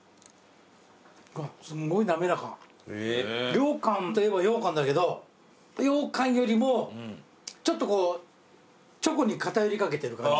ようかんといえばようかんだけどようかんよりもちょっとこうチョコに偏りかけてる感じ。